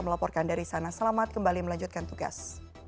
melaporkan dari sana selamat kembali melanjutkan tugas